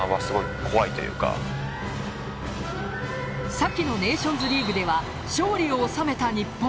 先のネーションズリーグでは勝利を収めた日本。